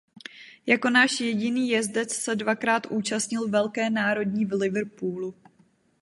Jako náš jediný jezdec se dvakrát účastnil Velké národní v Liverpoolu.